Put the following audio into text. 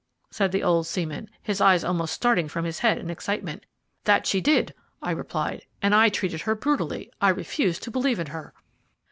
said the old seaman, his eyes almost starting from his head in his excitement. "That she did," I replied, "and I treated her brutally I refused to believe in her."